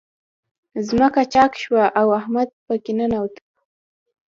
ځمکه چاک شوه، او احمد په کې ننوت.